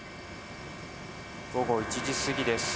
午後１時過ぎです。